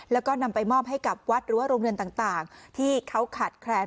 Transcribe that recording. แล้วก็นำไปมอบให้กับวัดหรือว่าโรงเรียนต่างที่เขาขาดแคลน